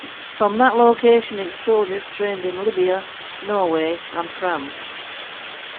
From that location its soldiers trained in Libya, Norway, and France.